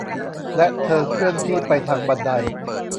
และเธอเคลื่อนที่ไปทางบันได